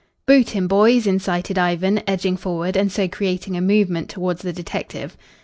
"Boot him, boys," incited Ivan, edging forward and so creating a movement towards the detective.